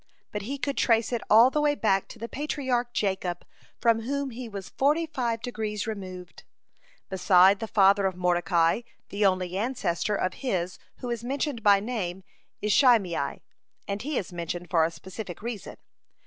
But he could trace it all the way back to the Patriarch Jacob, from whom he was forty five degrees removed. (56) Beside the father of Mordecai, the only ancestor of his who is mentioned by name is Shimei, and he is mentioned for a specific reason.